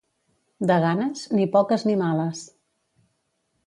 De ganes, ni poques ni males.